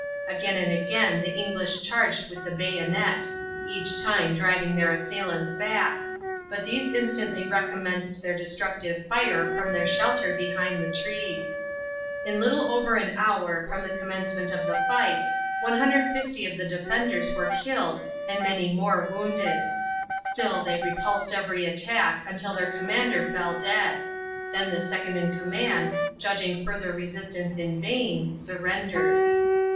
Again and again the English charged with the bayonet, each time driving their assailants back, but these instantly recommenced their destructive fire from their shelter behind the trees. In little over an hour from the commencement of the fight 150 of the defenders were killed and many more wounded. Still they repulsed every attack until their commander fell dead; then the second in command, judging further resistance in vain, surrendered.